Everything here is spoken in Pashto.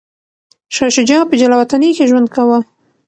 شاه شجاع په جلاوطنۍ کي ژوند کاوه.